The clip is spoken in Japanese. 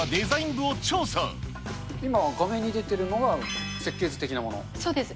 今、画面に出てるのが、そうです。